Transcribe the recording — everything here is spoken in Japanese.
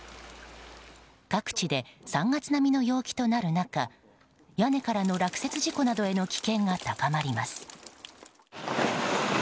各地で３月並みの陽気となる中屋根からの落雪事故などの危険が高まります。